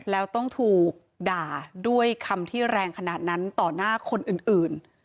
แล้วต้องถูกด่าด้วยคำที่แรงขนาดนั้นต่อหน้าคนอื่น